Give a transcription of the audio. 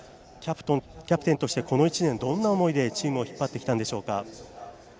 キャプテンとしてこの１年、どんな思いでチームを引っ張ってきたんでしょうか。